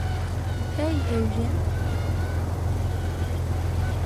Hey Eugene!